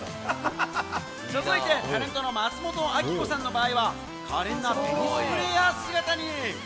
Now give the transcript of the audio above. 続いて、タレントの松本明子さんの場合は、可憐なテニスプレーヤー姿に。